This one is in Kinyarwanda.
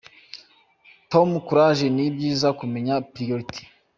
Tom courage , nibyiza kumenya priorty.